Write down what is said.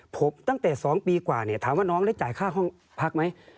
ผมตั้งแต่๒ปีกว่าถามว่าน้องได้จ่ายค่าห้องพักไหม